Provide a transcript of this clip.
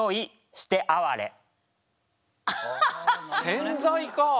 「洗剤」か。